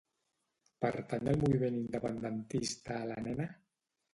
Pertany al moviment independentista la Nena?